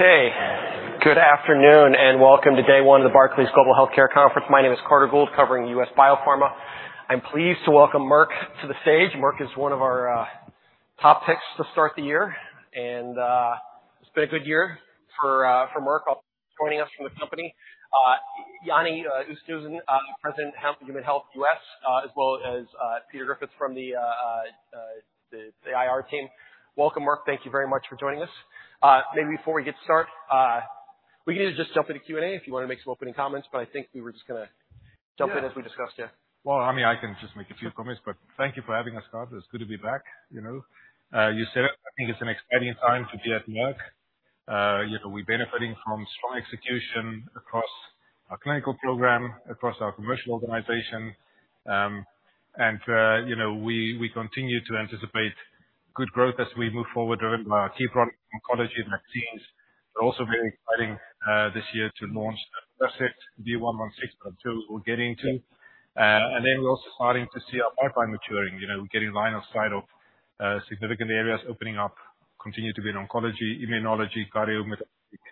Okay, good afternoon and welcome to day one of the Barclays Global Healthcare Conference. My name is Carter Gould, covering U.S. biopharma. I'm pleased to welcome Merck to the stage. Merck is one of our top picks to start the year, and it's been a good year for Merck. Joining us from the company, Jannie Oosthuizen, President of Human Health U.S., as well as Peter Dannenbaum from the IR team. Welcome, Merck. Thank you very much for joining us. Maybe before we get started, we can either just jump into Q&A if you want to make some opening comments, but I think we were just going to jump in as we discussed here. Well, I mean, I can just make a few comments, but thank you for having us, Carter. It's good to be back. You said it. I think it's an exciting time to be at Merck. We're benefiting from strong execution across our clinical program, across our commercial organization, and we continue to anticipate good growth as we move forward, driven by our key products: oncology, vaccines. We're also very excited this year to launch the V116, but I'm sure we'll get into. We're also starting to see our pipeline maturing. We're getting line of sight of significant areas opening up, continuing to be in oncology, immunology, cardiometabolic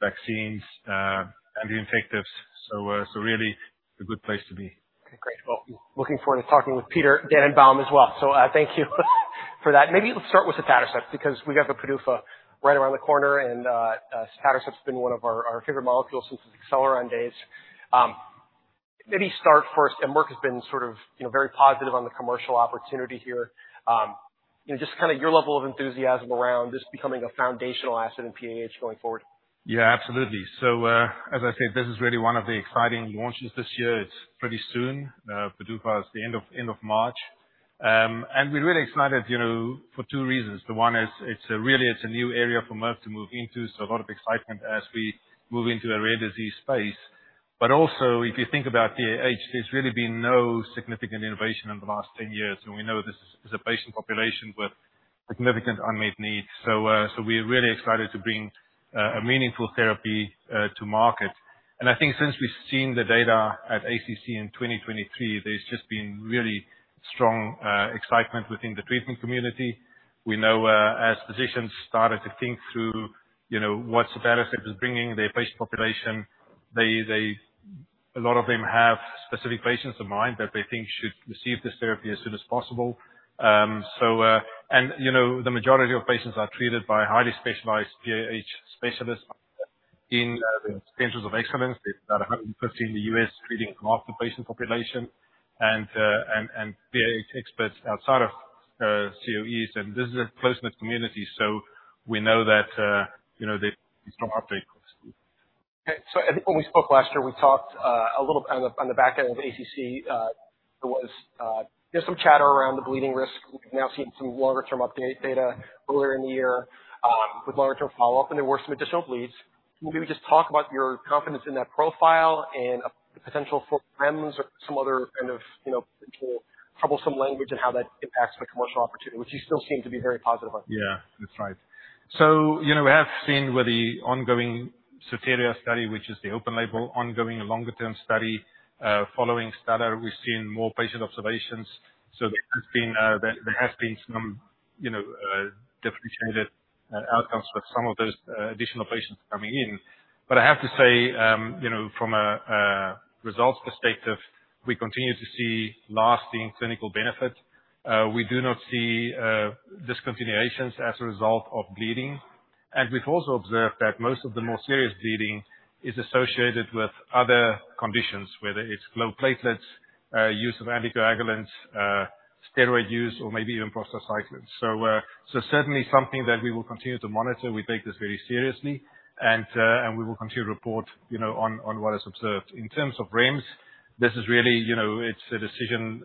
vaccines, anti-infectives. So really a good place to be. Okay, great. Well, looking forward to talking with Peter Dannenbaum as well. So thank you for that. Maybe let's start with sotatercept because we got the PDUFA right around the corner, and sotatercept has been one of our favorite molecules since the Acceleron days. Maybe start first, and Merck has been sort of very positive on the commercial opportunity here. Just kind of your level of enthusiasm around this becoming a foundational asset in PAH going forward? Yeah, absolutely. So as I said, this is really one of the exciting launches this year. It's pretty soon. PDUFA is the end of March. And we're really excited for two reasons. The one is really it's a new area for Merck to move into, so a lot of excitement as we move into a rare disease space. But also, if you think about PAH, there's really been no significant innovation in the last 10 years, and we know this is a patient population with significant unmet needs. So we're really excited to bring a meaningful therapy to market. And I think since we've seen the data at ACC in 2023, there's just been really strong excitement within the treatment community. We know, as physicians started to think through what sotatercept was bringing to their patient population, a lot of them have specific patients in mind that they think should receive this therapy as soon as possible. The majority of patients are treated by highly specialized PAH specialists in the Centers of Excellence. There's about 115 in the U.S. treating half the patient population and PAH experts outside of COEs. This is a close-knit community, so we know that there's a strong uptake. Okay. I think when we spoke last year, we talked a little bit on the back end of ACC. There was some chatter around the bleeding risk. We've now seen some longer-term update data earlier in the year with longer-term follow-up, and there were some additional bleeds. Can maybe just talk about your confidence in that profile and the potential for REMS or some other kind of potential troublesome language and how that impacts the commercial opportunity, which you still seem to be very positive on? Yeah, that's right. So we have seen with the ongoing SOTERIA study, which is the open-label, ongoing longer-term study following STELLAR, we've seen more patient observations. So there has been some differentiated outcomes with some of those additional patients coming in. But I have to say, from a results perspective, we continue to see lasting clinical benefit. We do not see discontinuations as a result of bleeding. And we've also observed that most of the more serious bleeding is associated with other conditions, whether it's low platelets, use of anticoagulants, steroid use, or maybe even prostacyclins. So certainly something that we will continue to monitor. We take this very seriously, and we will continue to report on what is observed. In terms of REMS, this is really it's a decision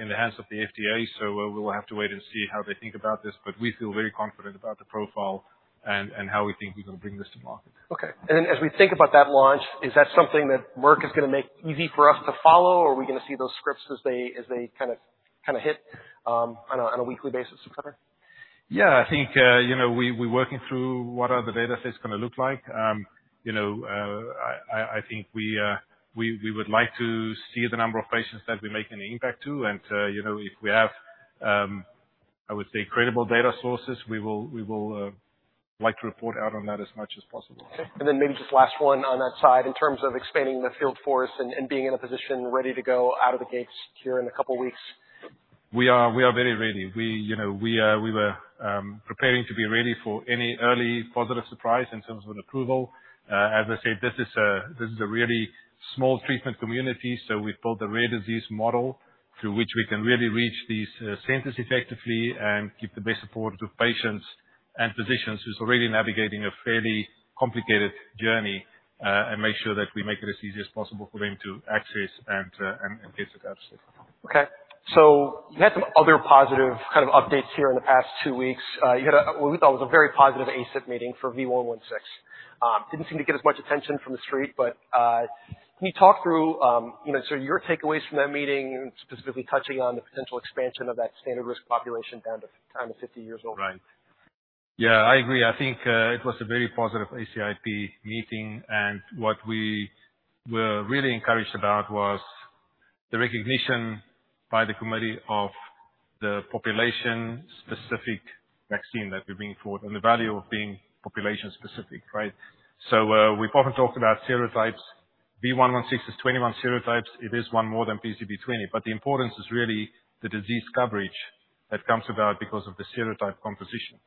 in the hands of the FDA, so we'll have to wait and see how they think about this. But we feel very confident about the profile and how we think we're going to bring this to market. Okay. And then as we think about that launch, is that something that Merck is going to make easy for us to follow, or are we going to see those scripts as they kind of hit on a weekly basis, etc.? Yeah, I think we're working through what are the datasets going to look like. I think we would like to see the number of patients that we make any impact to. And if we have, I would say, credible data sources, we will like to report out on that as much as possible. Okay. And then maybe just last one on that side, in terms of expanding the field for us and being in a position ready to go out of the gates here in a couple of weeks? We are very ready. We were preparing to be ready for any early positive surprise in terms of an approval. As I said, this is a really small treatment community, so we've built a rare disease model through which we can really reach these centers effectively and keep the best support of patients and physicians who's already navigating a fairly complicated journey and make sure that we make it as easy as possible for them to access and get sotatercept. Okay. So you had some other positive kind of updates here in the past two weeks. What we thought was a very positive ACIP meeting for V116 didn't seem to get as much attention from the street, but can you talk through sort of your takeaways from that meeting, specifically touching on the potential expansion of that standard risk population down to 50 years old? Right. Yeah, I agree. I think it was a very positive ACIP meeting, and what we were really encouraged about was the recognition by the committee of the population-specific vaccine that we bring forward and the value of being population-specific, right? So we've often talked about serotypes. V116 is 21 serotypes. It is one more than PCV20, but the importance is really the disease coverage that comes about because of the serotype composition.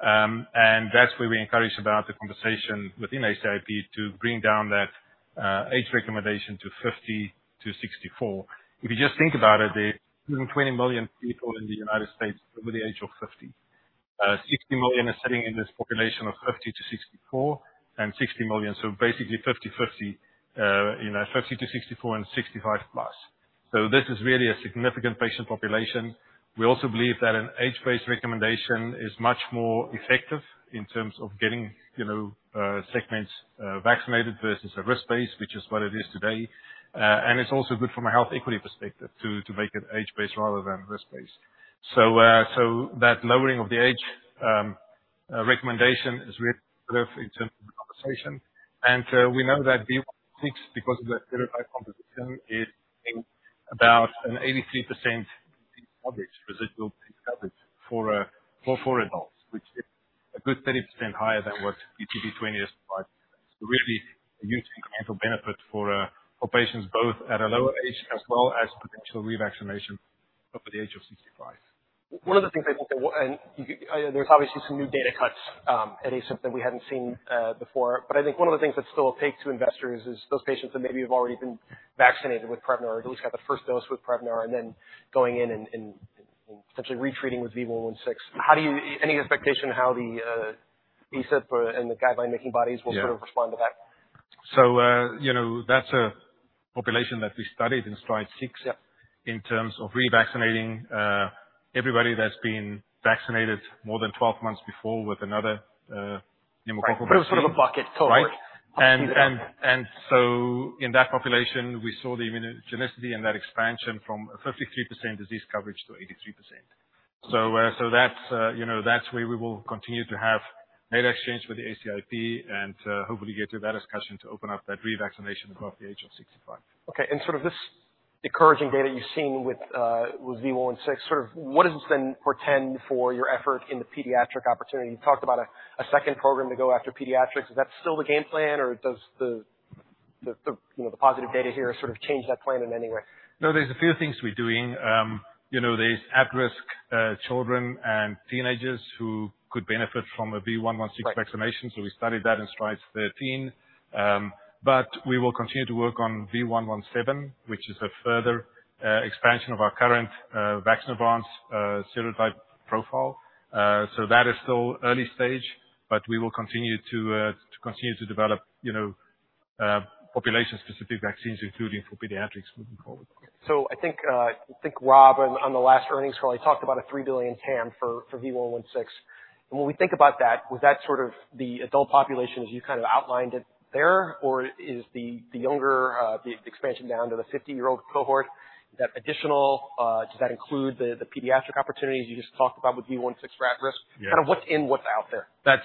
And that's where we encourage about the conversation within ACIP to bring down that age recommendation to 50-64. If you just think about it, there's 120 million people in the United States over the age of 50. 60 million are sitting in this population of 50-64, and 60 million so basically 50/50, 50-64 and 65+. So this is really a significant patient population. We also believe that an age-based recommendation is much more effective in terms of getting segments vaccinated versus a risk-based, which is what it is today. And it's also good from a health equity perspective to make it age-based rather than risk-based. So that lowering of the age recommendation is really positive in terms of the conversation. And we know that V116, because of the serotype composition, is about an 83% disease coverage, residual disease coverage for adults, which is a good 30% higher than what PCV20 is providing. So really a huge incremental benefit for patients both at a lower age as well as potential revaccination over the age of 65. One of the things I think that there's obviously some new data cuts at ACIP that we hadn't seen before, but I think one of the things that's still a take to investors is those patients that maybe have already been vaccinated with Prevnar or at least got the first dose with Prevnar and then going in and potentially retreating with V116. Any expectation how the ACIP and the guideline-making bodies will sort of respond to that? Yeah. So that's a population that we studied in STRIDE-6 in terms of revaccinating everybody that's been vaccinated more than 12 months before with another pneumococcal vaccine. Right. But it was sort of a bucket total. Right. So in that population, we saw the immunogenicity and that expansion from 53% disease coverage to 83%. So that's where we will continue to have data exchange with the ACIP and hopefully get to that discussion to open up that revaccination above the age of 65. Okay. And sort of this encouraging data you've seen with V116, sort of what does this then portend for your effort in the pediatric opportunity? You've talked about a second program to go after pediatrics. Is that still the game plan, or does the positive data here sort of change that plan in any way? No, there's a few things we're doing. There's at-risk children and teenagers who could benefit from a V116 vaccination. So we studied that in STRIDE-13. But we will continue to work on V117, which is a further expansion of our current vaccine serotype profile. So that is still early stage, but we will continue to develop population-specific vaccines, including for pediatrics, moving forward. So I think Rob, on the last earnings call, he talked about a $3 billion TAM for V116. And when we think about that, was that sort of the adult population, as you kind of outlined it there, or is the younger, the expansion down to the 50-year-old cohort, that additional does that include the pediatric opportunities you just talked about with V116 for at-risk? Kind of what's in, what's out there? That's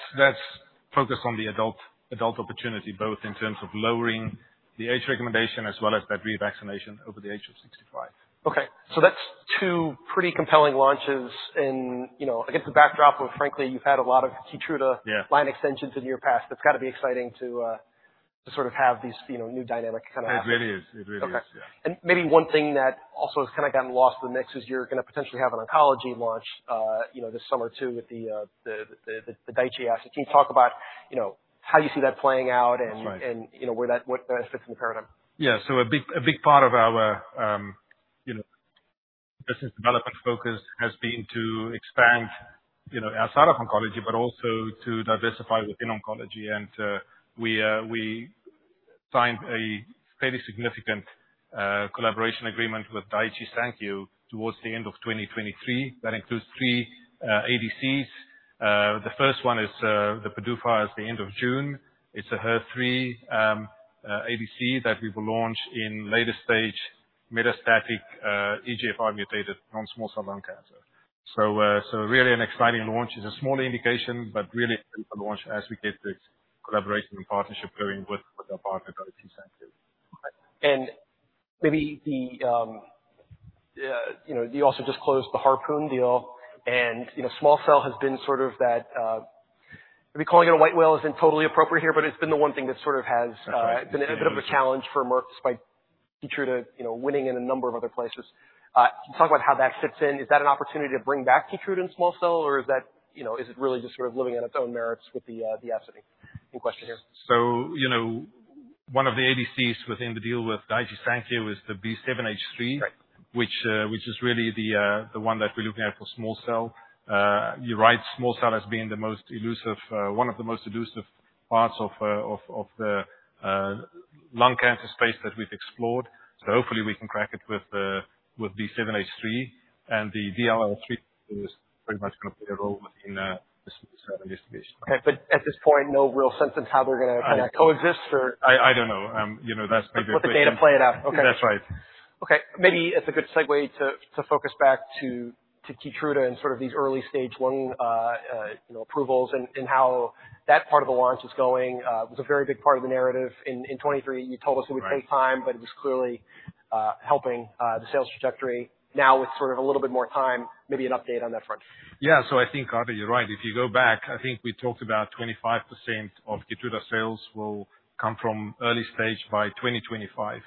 focused on the adult opportunity, both in terms of lowering the age recommendation as well as that revaccination over the age of 65. Okay. So that's two pretty compelling launches. And I guess the backdrop of, frankly, you've had a lot of KEYTRUDA line extensions in your past. It's got to be exciting to sort of have these new dynamic kind of happen. It really is. It really is. Yeah. Okay. And maybe one thing that also has kind of gotten lost in the mix is you're going to potentially have an oncology launch this summer too with the Daiichi asset. Can you talk about how you see that playing out and what that fits in the paradigm? Yeah. So a big part of our business development focus has been to expand outside of oncology, but also to diversify within oncology. And we signed a fairly significant collaboration agreement with Daiichi Sankyo towards the end of 2023. That includes three ADCs. The first one is. The PDUFA is the end of June. It's a HER3 ADC that we will launch in later-stage metastatic EGFR-mutated non-small cell lung cancer. So really an exciting launch. It's a small indication, but really a launch as we get this collaboration and partnership going with our partner, Daiichi Sankyo. Okay. And maybe you also just closed the Harpoon deal, and small cell has been sort of that maybe calling it a white whale isn't totally appropriate here, but it's been the one thing that sort of has been a bit of a challenge for Merck despite KEYTRUDA winning in a number of other places. Can you talk about how that fits in? Is that an opportunity to bring back KEYTRUDA in small cell, or is it really just sort of living on its own merits with the asset in question here? So one of the ADCs within the deal with Daiichi Sankyo is the B7-H3, which is really the one that we're looking at for small cell. You're right. Small cell has been the most elusive, one of the most elusive parts of the lung cancer space that we've explored. So hopefully, we can crack it with B7-H3. And the DLL3 is pretty much going to play a role within the small cell investigation. Okay. But at this point, no real sense in how they're going to kind of coexist, or? I don't know. That's maybe a question. Let the data play it out. Okay. That's right. Okay. Maybe it's a good segue to focus back to KEYTRUDA and sort of these early-stage lung approvals and how that part of the launch is going. It was a very big part of the narrative. In 2023, you told us it would take time, but it was clearly helping the sales trajectory. Now with sort of a little bit more time, maybe an update on that front. Yeah. So I think, Carter, you're right. If you go back, I think we talked about 25% of KEYTRUDA sales will come from early stage by 2025.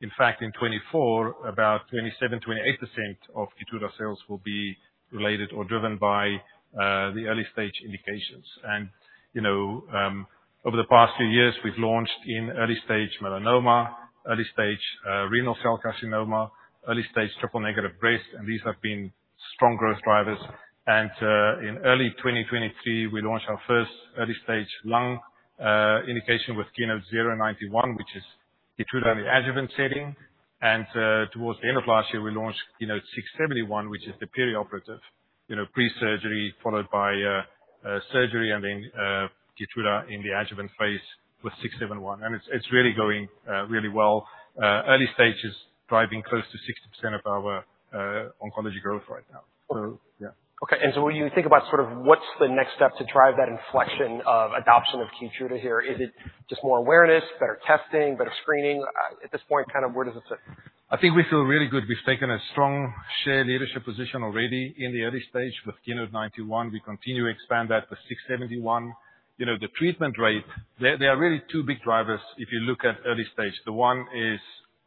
In fact, in 2024, about 27%-28% of KEYTRUDA sales will be related or driven by the early-stage indications. And over the past few years, we've launched in early-stage melanoma, early-stage renal cell carcinoma, early-stage triple-negative breast, and these have been strong growth drivers. And in early 2023, we launched our first early-stage lung indication with KEYNOTE-091, which is KEYTRUDA in the adjuvant setting. And towards the end of last year, we launched KEYNOTE-671, which is the perioperative, pre-surgery followed by surgery and then KEYTRUDA in the adjuvant phase with 671. And it's really going really well. Early stage is driving close to 60% of our oncology growth right now. So yeah. Okay. And so when you think about sort of what's the next step to drive that inflection of adoption of KEYTRUDA here, is it just more awareness, better testing, better screening? At this point, kind of where does it sit? I think we feel really good. We've taken a strong share leadership position already in the early stage with KEYNOTE-091. We continue to expand that with KEYNOTE-671. The treatment rate, there are really two big drivers if you look at early stage. The one is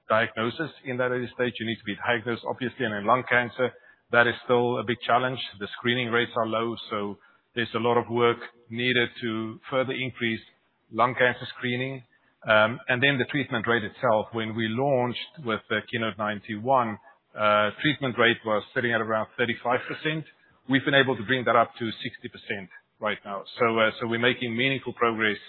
diagnosis in that early stage. You need to be diagnosed, obviously, and in lung cancer. That is still a big challenge. The screening rates are low, so there's a lot of work needed to further increase lung cancer screening. And then the treatment rate itself, when we launched with KEYNOTE-091, treatment rate was sitting at around 35%. We've been able to bring that up to 60% right now. So we're making meaningful progress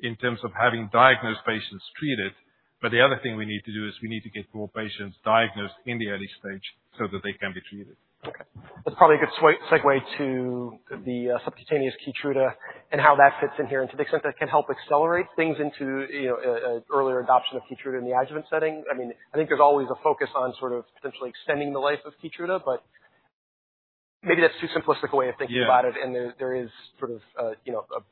in terms of having diagnosed patients treated. The other thing we need to do is we need to get more patients diagnosed in the early stage so that they can be treated. Okay. That's probably a good segue to the subcutaneous KEYTRUDA and how that fits in here and to the extent that it can help accelerate things into earlier adoption of KEYTRUDA in the adjuvant setting. I mean, I think there's always a focus on sort of potentially extending the life of KEYTRUDA, but maybe that's too simplistic a way of thinking about it, and there is sort of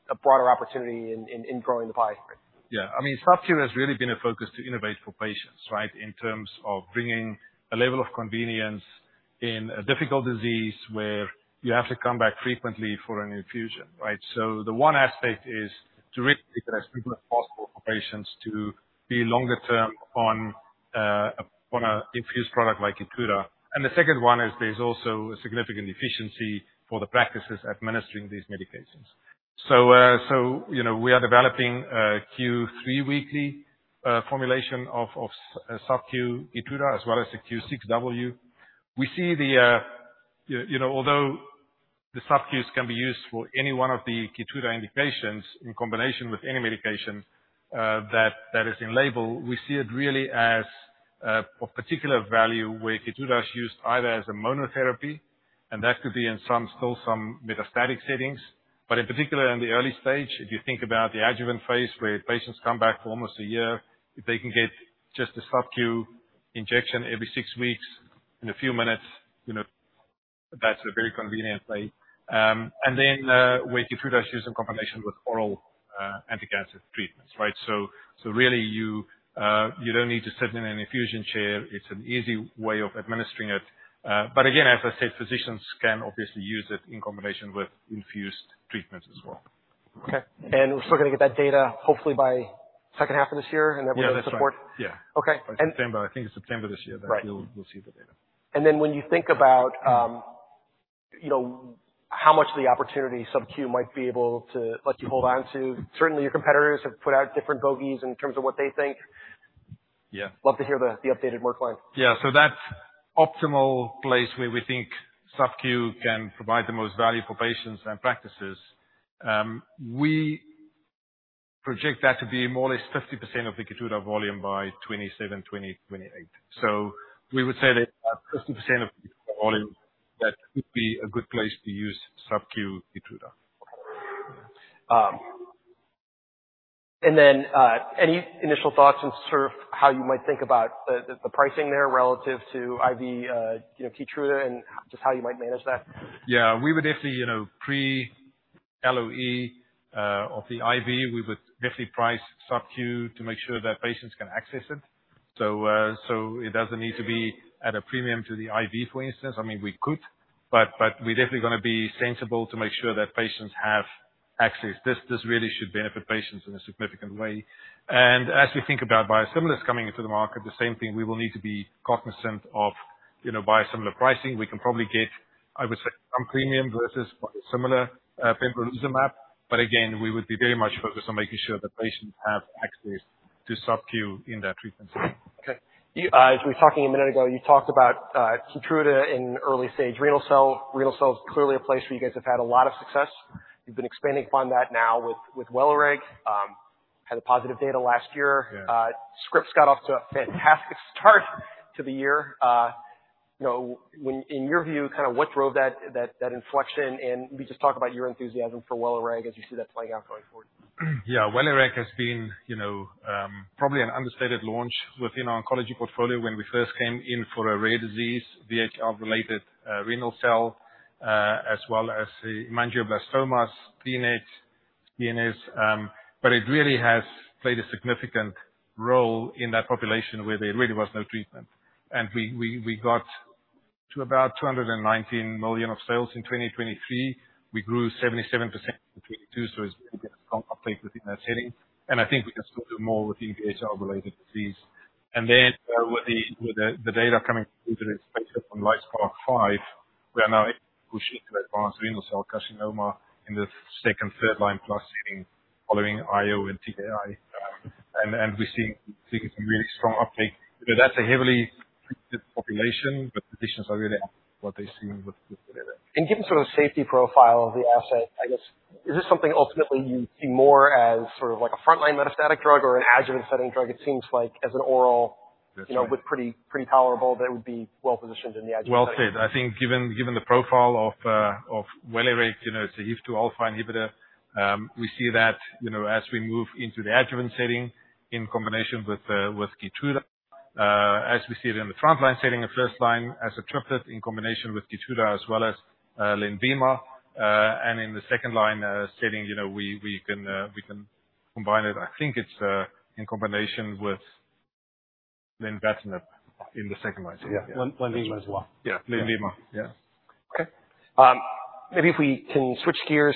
a broader opportunity in growing the pie, right? Yeah. I mean, SubQ has really been a focus to innovate for patients, right, in terms of bringing a level of convenience in a difficult disease where you have to come back frequently for an infusion, right? So the one aspect is to really make it as simple as possible for patients to be longer-term on an infused product like KEYTRUDA. And the second one is there's also a significant efficiency for the practices administering these medications. So we are developing a Q3W formulation of SubQ KEYTRUDA as well as a Q6W. We see the although the SubQs can be used for any one of the KEYTRUDA indications in combination with any medication that is in label, we see it really as of particular value where KEYTRUDA is used either as a monotherapy, and that could be in some still some metastatic settings. But in particular, in the early stage, if you think about the adjuvant phase where patients come back for almost a year, if they can get just a SubQ injection every six weeks in a few minutes, that's a very convenient way. And then where KEYTRUDA is used in combination with oral anticancer treatments, right? So really, you don't need to sit in an infusion chair. It's an easy way of administering it. But again, as I said, physicians can obviously use it in combination with infused treatments as well. Okay. And we're still going to get that data, hopefully, by second half of this year and that we're going to support. Yeah. That's right. Yeah. Okay. I think it's September this year that we'll see the data. When you think about how much of the opportunity SubQ might be able to let you hold on to, certainly, your competitors have put out different bogeys in terms of what they think. Love to hear the updated Merck line. Yeah. So that optimal place where we think SubQ can provide the most value for patients and practices, we project that to be more or less 50% of the KEYTRUDA volume by 2027, 2028. So we would say that about 50% of KEYTRUDA volume that would be a good place to use SubQ KEYTRUDA. Okay. And then any initial thoughts on sort of how you might think about the pricing there relative to IV KEYTRUDA and just how you might manage that? Yeah. We would definitely pre-LOE of the IV, we would definitely price SubQ to make sure that patients can access it. So it doesn't need to be at a premium to the IV, for instance. I mean, we could, but we're definitely going to be sensible to make sure that patients have access. This really should benefit patients in a significant way. And as we think about biosimilars coming into the market, the same thing. We will need to be cognizant of biosimilar pricing. We can probably get, I would say, some premium versus biosimilar pembrolizumab. But again, we would be very much focused on making sure that patients have access to SubQ in that treatment setting. Okay. As we were talking a minute ago, you talked about KEYTRUDA in early-stage renal cell. Renal cell is clearly a place where you guys have had a lot of success. You've been expanding upon that now with WELIREG. Had the positive data last year. WELIREG got off to a fantastic start to the year. In your view, kind of what drove that inflection? And maybe just talk about your enthusiasm for WELIREG as you see that playing out going forward. Yeah. WELIREG has been probably an understated launch within our oncology portfolio when we first came in for a rare disease, VHL-related renal cell, as well as hemangioblastomas, CNS. But it really has played a significant role in that population where there really was no treatment. And we got to about $219 million of sales in 2023. We grew 77% in 2022, so it's been a strong uptake within that setting. And I think we can still do more within VHL-related disease. And then with the data coming through the registration on LITESPARK-005, we are now able to push into advanced renal cell carcinoma in the second, third-line plus setting following IO and TKI. And we're seeing a really strong uptake. That's a heavily treated population, but physicians are really happy with what they're seeing with WELIREG Given sort of the safety profile of the asset, I guess, is this something ultimately you see more as sort of like a frontline metastatic drug or an adjuvant-setting drug? It seems like as an oral with pretty tolerable, that would be well-positioned in the adjuvant setting. Well said. I think given the profile of WELIREG, it's a HIF-2α inhibitor. We see that as we move into the adjuvant setting in combination with KEYTRUDA, as we see it in the frontline setting, the first line as a triplet in combination with KEYTRUDA as well as LENVIMA. And in the second-line setting, we can combine it. I think it's in combination with lenvatinib in the second-line setting. Yeah. LENVIMA as well. Yeah. LENVIMA. Yeah. Okay. Maybe if we can switch gears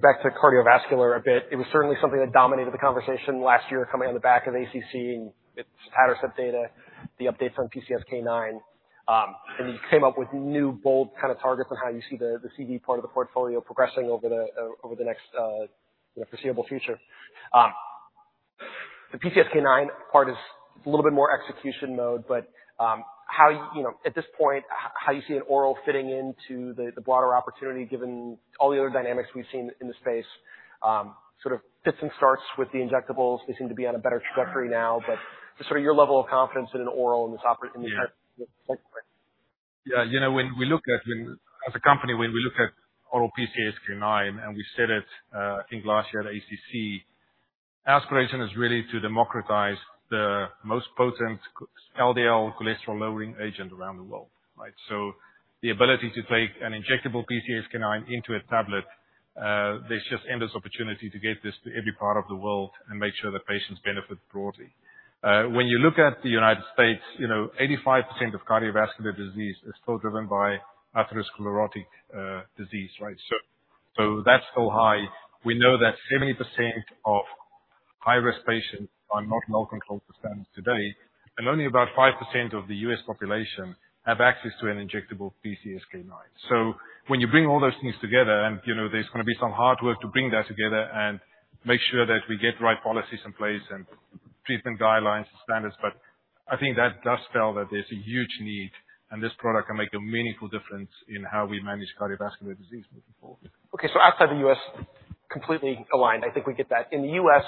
back to cardiovascular a bit. It was certainly something that dominated the conversation last year coming on the back of ACC and its sotatercept data, the updates on PCSK9. And you came up with new bold kind of targets on how you see the CV part of the portfolio progressing over the next foreseeable future. The PCSK9 part is a little bit more execution mode, but at this point, how you see an oral fitting into the broader opportunity given all the other dynamics we've seen in the space sort of fits and starts with the injectables. They seem to be on a better trajectory now. But just sort of your level of confidence in an oral in this type of segment. Yeah. As a company, when we look at oral PCSK9 and we said it, I think last year at ACC, aspiration is really to democratize the most potent LDL cholesterol-lowering agent around the world, right? So the ability to take an injectable PCSK9 into a tablet, there's just endless opportunity to get this to every part of the world and make sure that patients benefit broadly. When you look at the United States, 85% of cardiovascular disease is still driven by atherosclerotic disease, right? So that's still high. We know that 70% of high-risk patients are not well-controlled per standard today, and only about 5% of the U.S. population have access to an injectable PCSK9. When you bring all those things together, and there's going to be some hard work to bring that together and make sure that we get the right policies in place and treatment guidelines and standards, but I think that does spell that there's a huge need, and this product can make a meaningful difference in how we manage cardiovascular disease moving forward. Okay. So outside the U.S., completely aligned. I think we get that. In the U.S.,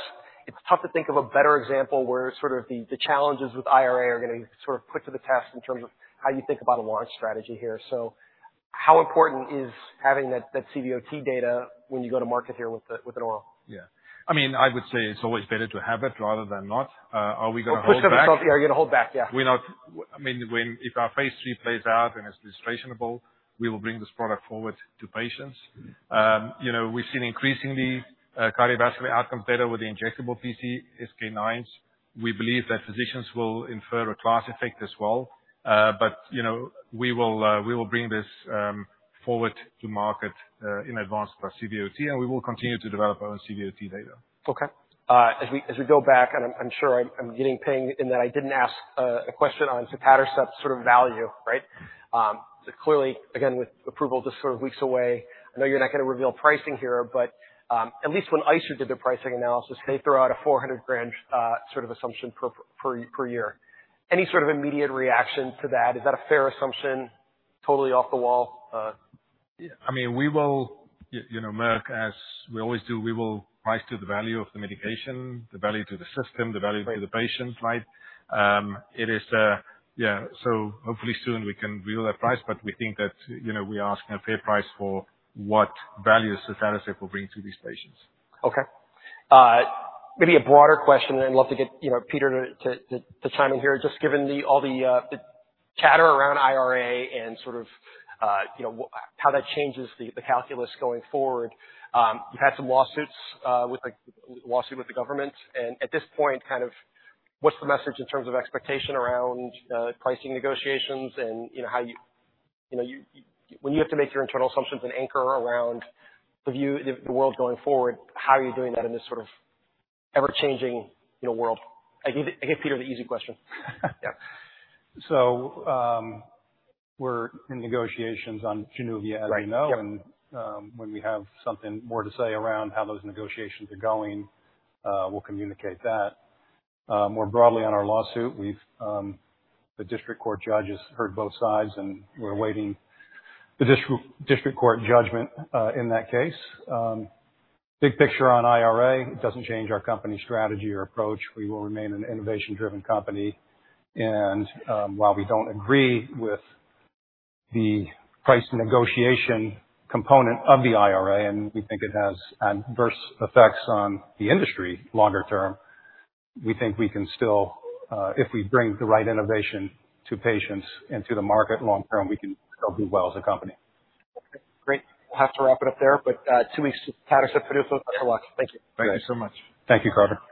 it's tough to think of a better example where sort of the challenges with IRA are going to be sort of put to the test in terms of how you think about a launch strategy here. So how important is having that CVOT data when you go to market here with an oral? Yeah. I mean, I would say it's always better to have it rather than not. Are we going to hold back? We'll push it ourselves. Yeah. You're going to hold back. Yeah. I mean, if our Phase III plays out and it's administrable, we will bring this product forward to patients. We've seen increasingly cardiovascular outcomes better with the injectable PCSK9s. We believe that physicians will infer a class effect as well. But we will bring this forward to market in advance of our CVOT, and we will continue to develop our own CVOT data. Okay. As we go back, and I'm sure I'm getting pinged in that I didn't ask a question on sotatercept sort of value, right? Clearly, again, with approval just sort of weeks away, I know you're not going to reveal pricing here, but at least when ICER did their pricing analysis, they threw out a $400,000 sort of assumption per year. Any sort of immediate reaction to that? Is that a fair assumption, totally off the wall? Yeah. I mean, Merck, as we always do, we will price to the value of the medication, the value to the system, the value to the patients, right? Yeah. So hopefully, soon we can reveal that price, but we think that we are asking a fair price for what value sotatercept will bring to these patients. Okay. Maybe a broader question, and I'd love to get Peter to chime in here. Just given all the chatter around IRA and sort of how that changes the calculus going forward, you've had some lawsuits with the government. And at this point, kind of what's the message in terms of expectation around pricing negotiations and how you, when you have to make your internal assumptions and anchor around the world going forward, how are you doing that in this sort of ever-changing world? I gave Peter the easy question. Yeah. So we're in negotiations on Januvia, as you know, and when we have something more to say around how those negotiations are going, we'll communicate that. More broadly, on our lawsuit, the district court judge has heard both sides, and we're awaiting the district court judgment in that case. Big picture on IRA, it doesn't change our company strategy or approach. We will remain an innovation-driven company. And while we don't agree with the price negotiation component of the IRA, and we think it has adverse effects on the industry longer term, we think we can still, if we bring the right innovation to patients and to the market long term, we can still do well as a company. Okay. Great. We'll have to wrap it up there, but two weeks with sotatercept PDUFA. Have a good luck. Thank you. Thank you so much. Thank you, Carter.